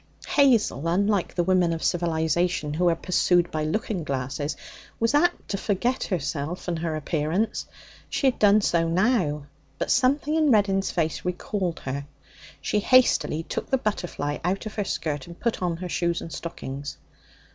Hazel, unlike the women of civilization, who are pursued by looking glasses, was apt to forget herself and her appearance. She had done so now. But something in Reddin's face recalled her. She hastily took the butterfly out of her skirt and put on her shoes and stockings.